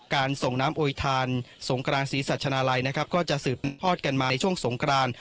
ส่งน้ำโอยทานสงกรานศรีสัชนาลัยนะครับก็จะสืบทอดกันมาในช่วงสงคราน